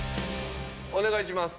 お願いします。